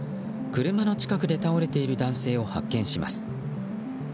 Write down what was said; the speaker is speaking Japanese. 車の近くで倒れている男性を発見します。